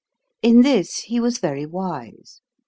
In this he was very wise.